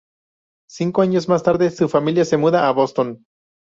Cinco años más tarde, su familia se muda a Boston.